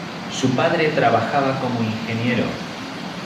Su padre trabajaba como ingeniero.